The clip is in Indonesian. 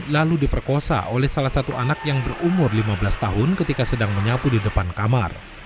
lalu diperkosa oleh salah satu anak yang berumur lima belas tahun ketika sedang menyapu di depan kamar